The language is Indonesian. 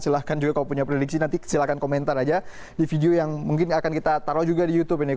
silahkan juga kalau punya prediksi nanti silahkan komentar aja di video yang mungkin akan kita taruh juga di youtube ini